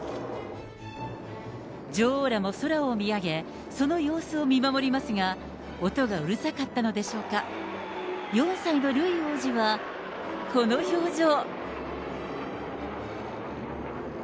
女王らも空を見上げ、その様子を見守りますが、音がうるさかったのでしょうか、４歳のルイ王子は、この表情。